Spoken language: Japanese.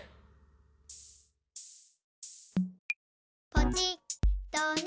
「ポチッとね」